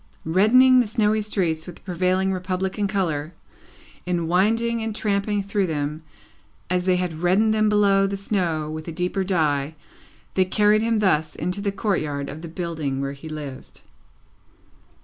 Reddening the snowy streets with the prevailing Republican colour, in winding and tramping through them, as they had reddened them below the snow with a deeper dye, they carried him thus into the courtyard of the building where he lived.